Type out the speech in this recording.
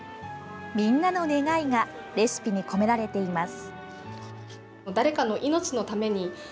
みんなの願いがレシピに込められています。